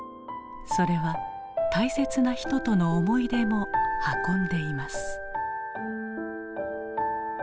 それは大切な人との思い出も運んでいます。